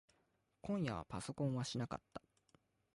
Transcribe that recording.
今夜はパソコンはしなかった。